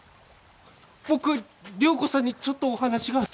僕良子さんにちょっとお話が。